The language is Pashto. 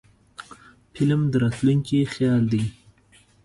فلم د راتلونکي خیال دی